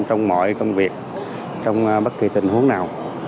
trong mọi công việc trong bất kỳ tình huống nào